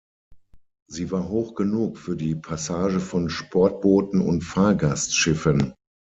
Sie war hoch genug für die Passage von Sportbooten und Fahrgastschiffen.